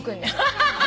ハハハッ！